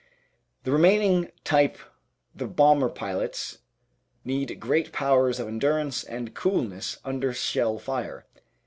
The remaining type the bomber pilots need great powers of endurance and coolness under shell fire.